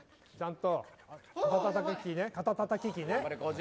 肩たたき機ね。